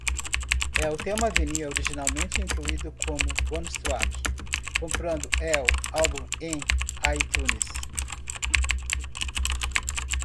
El tema venía originalmente incluido como "bonus track" comprando el álbum en iTunes.